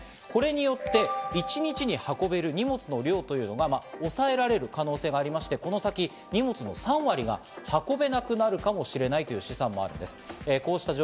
これによって、一日に運べる荷物の量というのが、抑えられる可能性がありまして、この先、荷物の３割が運べなくなるかもしれないという試算もあるんです。